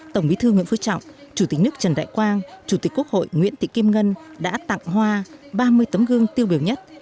tổng bí thư nguyễn phú trọng chủ tịch nước trần đại quang chủ tịch quốc hội nguyễn thị kim ngân đã tặng hoa ba mươi tấm gương tiêu biểu nhất